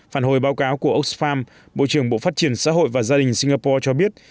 phản hồi báo cáo của oxfam bộ trưởng bộ phát triển xã hội và gia đình singapore cho biết